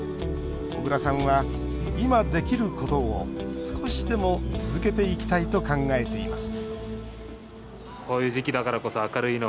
小椋さんは今できることを少しでも続けていきたいと考えています